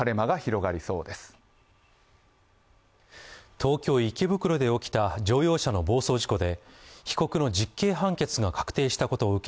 東京・池袋で起きた乗用車の暴走事故で、被告の実刑判決が確定したことを受け